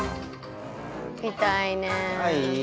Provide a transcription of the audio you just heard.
痛いねえ。